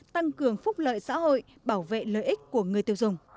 tăng cường phúc lợi xã hội bảo vệ lợi ích của người tiêu dùng